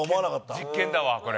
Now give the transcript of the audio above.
実験だわこれ。